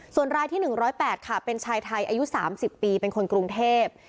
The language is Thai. ส่วนรายที่๑๐๘ค่ะเป็นชายไทยอายุ๓๐ปีเป็นคนกรุงเทพ